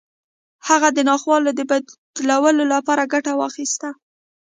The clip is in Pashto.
هغه د ناخوالو د بدلولو لپاره ګټه واخيسته.